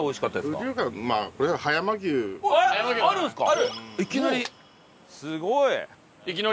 あるんですか？